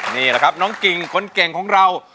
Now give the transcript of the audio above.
นี่แหละครับน้องกิ่งคนเก่งของเรา